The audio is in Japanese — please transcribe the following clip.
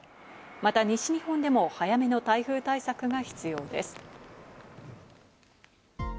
また西日本でも早めの台風対策が必要です。